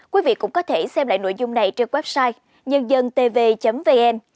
quý vị cũng có thể xem lại nội dung này trên website nhân dân tv vn